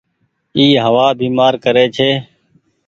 اي هوآ بيمآر ڪري ڇي۔